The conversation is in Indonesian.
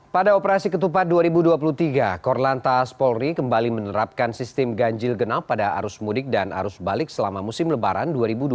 pada operasi ketupat dua ribu dua puluh tiga korlantas polri kembali menerapkan sistem ganjil genap pada arus mudik dan arus balik selama musim lebaran dua ribu dua puluh tiga